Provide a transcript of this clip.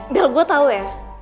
bill gue tau ya